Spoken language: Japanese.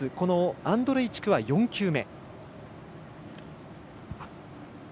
アンドレイチクは４球目。